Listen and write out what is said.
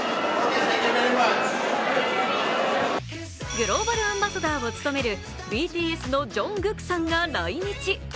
グローバルアンバサダーを務めるＢＴＳのＪＵＮＧＫＯＯＫさんが来日。